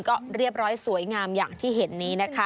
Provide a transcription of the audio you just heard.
ก็เรียบร้อยสวยงามอย่างที่เห็นนี้นะคะ